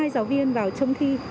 hai giáo viên vào trông thi